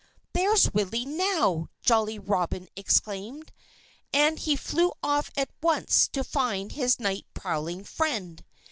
"There's Willie now!" Jolly Robin exclaimed. And he flew off at once to find his night prowling friend.